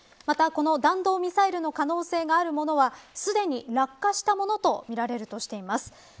また、この弾道ミサイルの可能性があるものはすでに落下したものとみられるとしています。